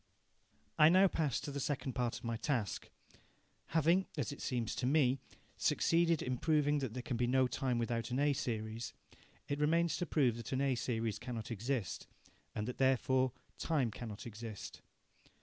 I now pass to the second part of my task. Having, as it seems to me, succeeded in proving that there can be no time without an A series, it remains to prove that an A series cannot exist, and that therefore time cannot exist.